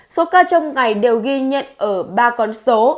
số ca trong ngày đều ghi nhận ở ba con số